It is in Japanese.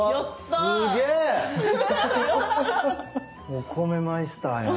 お米マイスターやん。